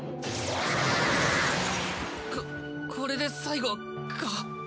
ここれで最後か？